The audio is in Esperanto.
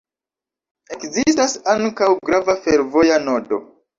Ekzistas ankaŭ grava fervoja nodo.